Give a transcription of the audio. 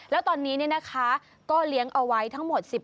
แล้วตอนนี้เนี่ยนะคะก็เลี้ยงเอาไว้ทั้งหมด๑๖ตัว